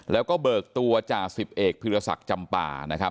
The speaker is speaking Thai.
แล้วก็เบิกตัวจ่าสิบเอกพิรุษศักดิ์จำป่า